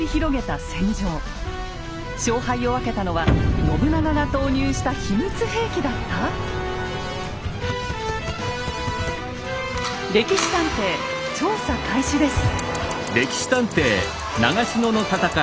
勝敗を分けたのは信長が投入した秘密兵器だった⁉「歴史探偵」調査開始です！